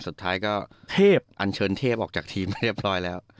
สุดท้ายก็อัญเชิญเทพออกจากทีมไม่ได้ปล่อยแล้ว